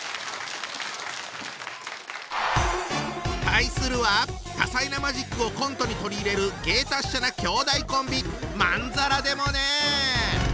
対するは多彩なマジックをコントに取り入れる芸達者な兄弟コンビ！